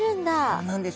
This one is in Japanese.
そうなんです。